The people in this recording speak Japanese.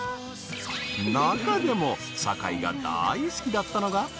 ［中でも坂井が大好きだったのが］